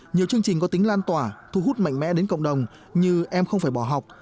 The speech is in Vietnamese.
nhiều chương trình có tính lan tỏa thu hút mạnh mẽ đến cộng đồng như em không phải bỏ học